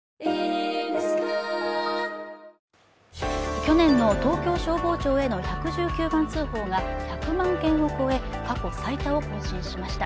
去年の東京消防庁への１１９番通報が１００万件を超え、過去最多を更新しました。